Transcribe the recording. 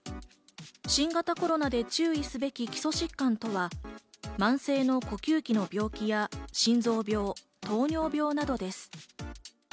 新型コロナで注意すべき基礎疾患とは、慢性の呼吸器の病気や心臓病、糖尿病などです。